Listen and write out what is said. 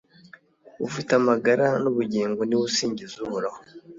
ufite amagara n'ubugingo ni we usingiza uhoraho